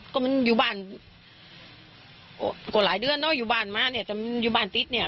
ก็มันอยู่บ้านก็หลายเดือนเนอะอยู่บ้านมาเนี่ยแต่มันอยู่บ้านติดเนี่ย